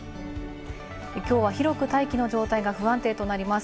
きょうは広く大気の状態が不安定となります。